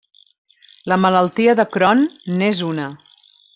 La malaltia de Crohn n'és una.